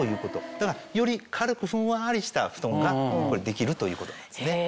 だからより軽くふんわりした布団ができるということなんですね。